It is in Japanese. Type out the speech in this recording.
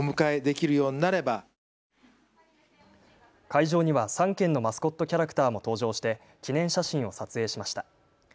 会場には３県のマスコットキャラクターも登場して記念写真を撮影しました。